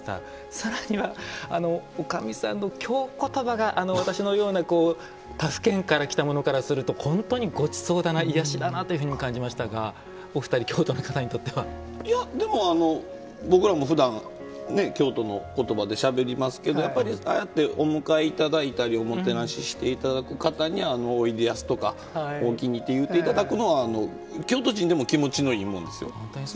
さらにはおかみさんの京言葉が私のような他府県から来たものからすると本当にごちそうだな癒やしだなというふうにも感じましたがでも、僕らもふだん京都の言葉でしゃべりますけどやっぱりああやってお迎えいただいたりおもてなししていただく方においでやすとかおおきにって言うていただくのは京都人でも気持ちのいいもんですよ。